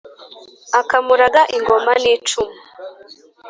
akamuraga ingoma n'icumu